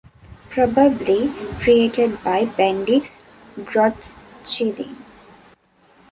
Probably created by Bendix Grodtschilling.